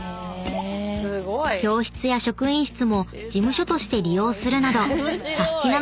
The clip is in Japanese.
［教室や職員室も事務所として利用するなどサスティな！